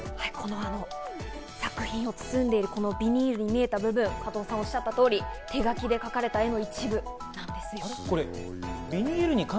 作品を包んでいるビニールに見えた部分、加藤さんがおっしゃった通り、手描きで描かれているんです。